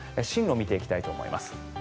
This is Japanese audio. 進路を見ていきたいと思います。